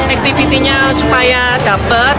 aktivitinya supaya dapat